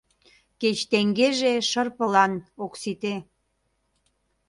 Кеч теҥгеже шырпылан ок сите